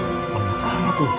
gak terlambat tuh